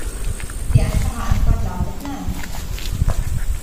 Die einfache Antwort lautet "Nein".